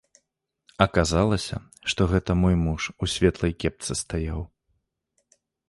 Аказалася, што гэта мой муж, у светлай кепцы стаяў.